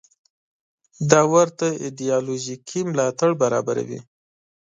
دا ورته ایدیالوژیکي ملاتړ برابروي.